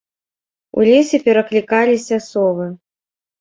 У лесе пераклікаліся совы.